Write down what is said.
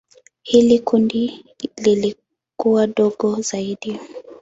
Hili kundi lilikuwa dogo zaidi.